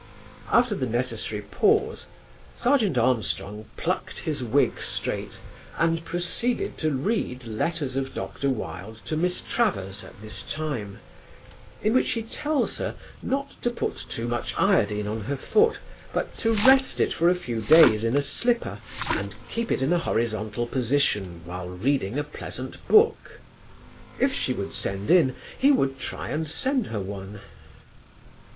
After the necessary pause, Serjeant Armstrong plucked his wig straight and proceeded to read letters of Dr. Wilde to Miss Travers at this time, in which he tells her not to put too much iodine on her foot, but to rest it for a few days in a slipper and keep it in a horizontal position while reading a pleasant book. If she would send in, he would try and send her one.